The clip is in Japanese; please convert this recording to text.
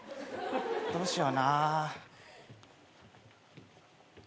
どうしよう。